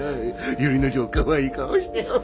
由利之丞かわいい顔してお前。